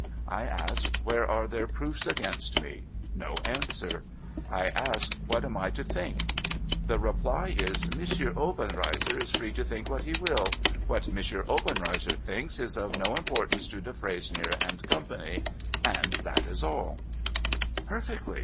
I ask, where are their proofs against me ? No answer. I ask, what am I to think ? The reply is, " M. Obenreizer is free to think what he will. What M. Obenreizer thinks, is of no importance to Defresnier and Company." And that is all,' ' Perfectly.